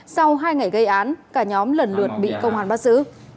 sau hai ngày gây án cả nhóm lần lượt bị công an bắt giữ